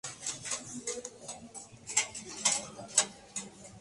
Luego de la caída del presidente Jamil Mahuad se separó del partido Democracia Popular.